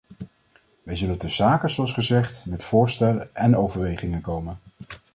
Wij zullen ter zake, zoals gezegd, met voorstellen en overwegingen komen.